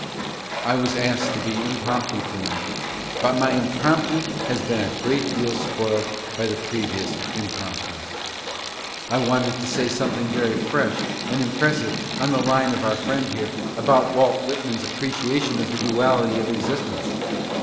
I was asked to be impromptu, to night, but my impromptu een a great deal spoiled by the previous impromptus. I wanted t: say something very fresh and impressive on the line of our friend here, about Walt Whitman's appreciation of the duality of existence.